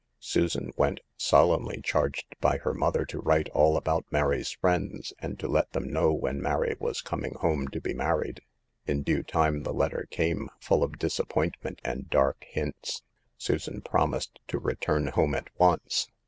Susan went, solemnly charged by her mother to write all about Mary's friends, and to let them know when Mary was coming home to be married. In due time the letter came, full of disappoint ment and dark hints. Susan promised to return home at once.